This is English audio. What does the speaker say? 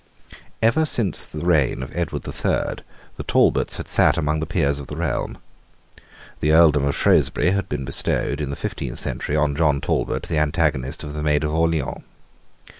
Ever since the reign of Edward the Third, the Talbots had sate among the peers of the realm. The earldom of Shrewsbury had been bestowed, in the fifteenth century, on John Talbot, the antagonist of the Maid of Orleans.